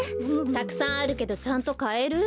たくさんあるけどちゃんとかえる？